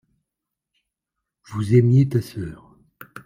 vous aimiez ta sœur.